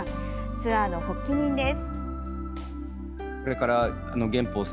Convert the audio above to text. ツアーの発起人です。